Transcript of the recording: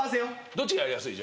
どっちがやりやすい？